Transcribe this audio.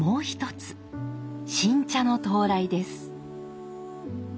新茶の到来です。